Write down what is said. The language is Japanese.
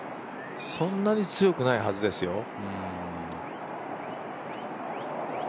そんなに強くないはずですよ。